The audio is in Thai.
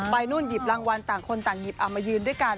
นู่นหยิบรางวัลต่างคนต่างหยิบเอามายืนด้วยกัน